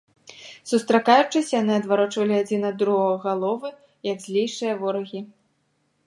Сустракаючыся, яны адварочвалі адзін ад другога галовы, як злейшыя ворагі.